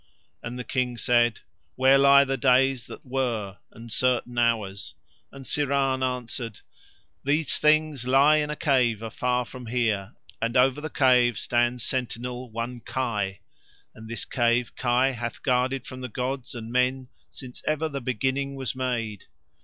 And the King said: "Where lie the days that were and certain hours?" And Syrahn answered: "These things lie in a cave afar from here, and over the cave stands sentinel one Kai, and this cave Kai hath guarded from the gods and men since ever the Beginning was made.